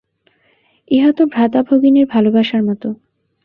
ইহা তো ভ্রাতা-ভগিনীর ভালবাসার মত।